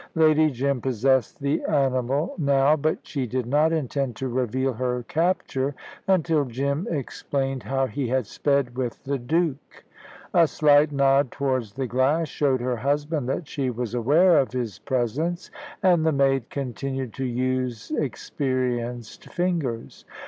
Lady Jim possessed the animal now, but she did not intend to reveal her capture until Jim explained how he had sped with the Duke. A slight nod towards the glass showed her husband that she was aware of his presence, and the maid continued to use experienced fingers.